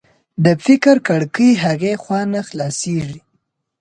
د فکر کړکۍ هغې خوا نه خلاصېږي